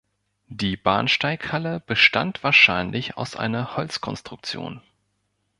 Die Bahnsteighalle bestand wahrscheinlich aus einer Holzkonstruktion.